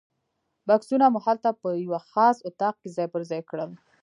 بکسونه مو هلته په یوه خاص اتاق کې ځای پر ځای کړل.